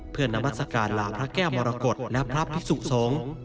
เพื่อนามัศกาลลาพระแก้วมรกฏและพระพิสุสงฆ์